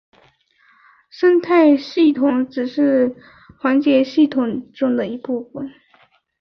生态系统只是环境系统中的一个部分。